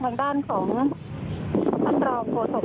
เพราะตอนนี้ก็ไม่มีเวลาให้เข้าไปที่นี่